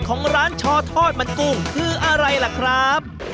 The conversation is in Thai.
ของร้านชอทอดมันกุ้งคืออะไรล่ะครับ